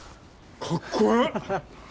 かっこええ。